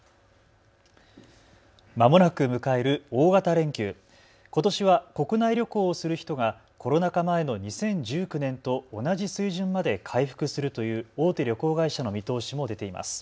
まもなく迎える大型連休、ことしは国内旅行をする人がコロナ禍前の２０１９年と同じ水準まで回復するという大手旅行会社の見通しも出ています。